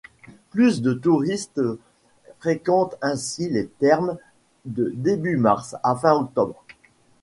Plus de touristes fréquentent ainsi les thermes de début mars à fin octobre.